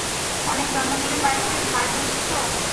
অনেক জন্মদিনের পার্টিতে ভাঁড় হয়েছি তো।